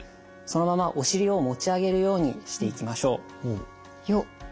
そのままお尻を持ち上げるようにしていきましょう。よ。